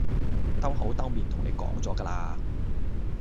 兜口兜面同你講咗㗎啦